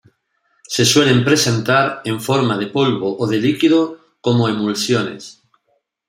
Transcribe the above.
Se suelen presentar en forma de polvo o de líquido, como emulsiones.